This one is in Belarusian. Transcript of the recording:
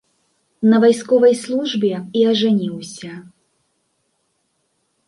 На вайсковай службе і ажаніўся.